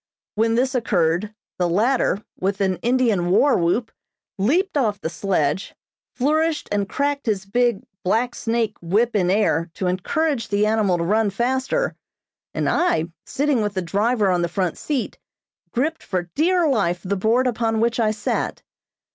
When this occurred, the latter, with an Indian war whoop, leaped off the sledge, flourished and cracked his big "black snake" whip in air to encourage the animal to run faster, and I, sitting with the driver on the front seat, gripped for dear life the board upon which I sat.